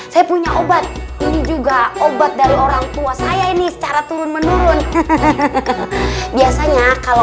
saya punya obat ini juga obat dari orang tua saya ini secara turun menurun biasanya kalau